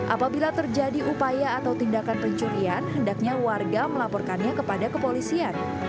apabila terjadi upaya atau tindakan pencurian hendaknya warga melaporkannya kepada kepolisian